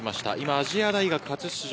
亜細亜大学、初出場。